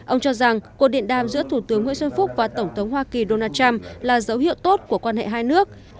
ông cho rằng cuộc điện đàm giữa thủ tướng nguyễn xuân phúc và tổng thống hoa kỳ donald trump là dấu hiệu tốt của quan hệ hai nước